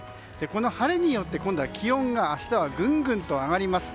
この晴れによって今度は気温が明日はぐんぐんと上がります。